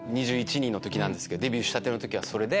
２１２２の時なんですけどデビューしたての時はそれで。